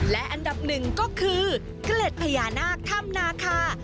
และอันดับหนึ่งก็คือเกล็ดพญานาคถ้ำนาคา